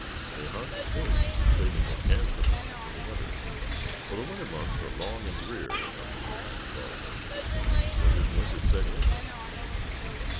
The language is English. They hunt and fish, saving their canned supplies for the winter, for the winter months are long and drear up in this far northern country." "When does winter set in?" asked Ned.